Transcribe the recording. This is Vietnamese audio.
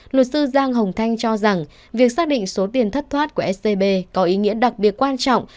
luật sư giang hồng thanh cho rằng việc xác định số tiền thất thoát của scb có ý nghĩa đặc biệt quan trọng